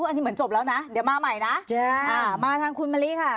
อันนี้เหมือนจบแล้วนะเดี๋ยวมาใหม่นะมาทางคุณมะลิค่ะ